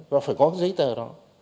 có cái giấy tờ đó